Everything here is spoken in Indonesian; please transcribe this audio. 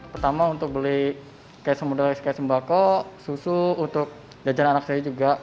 pertama untuk beli kaisem mudalis kaisem bako susu untuk jajan anak saya juga